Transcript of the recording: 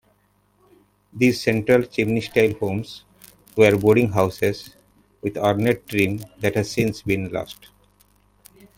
These central-chimney-style homes were boarding houses with ornate trim that has since been lost.